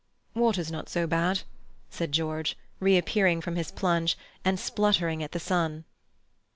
"Water's not so bad," said George, reappearing from his plunge, and sputtering at the sun.